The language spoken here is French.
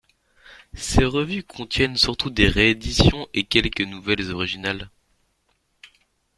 Ces revues contiennent surtout des rééditions et quelques nouvelles originales.